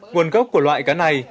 nguồn gốc của loại cá này